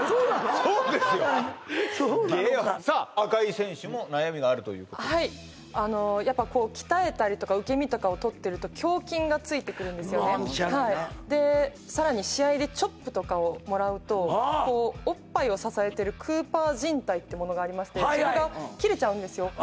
そうですよそうなのかさあ赤井選手も悩みがあるとはいやっぱ鍛えたりとか受け身とかを取ってるとでさらに試合でチョップとかをもらうとおっぱいを支えてるクーパーじん帯ってものがありましてそれが切れちゃうんですよ